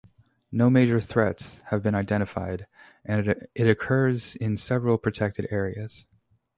No major threats have been identified, and it occurs in several protected areas.